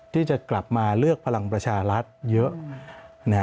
ที่จะกลับมาเลือกพลังประชารัฐเยอะ